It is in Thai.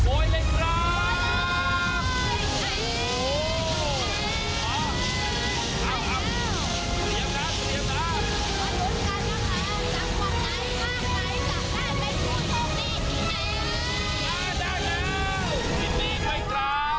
โอ้ยเลยครับ